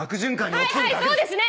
はいはいそうですね！